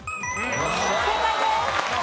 正解です。